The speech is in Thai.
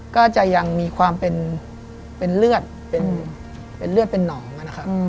ก็จะยังมีความเป็นเลือดเป็นหนองกันครับ